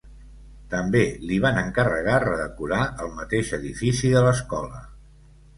També li van encarregar redecorar el mateix edifici de l'escola.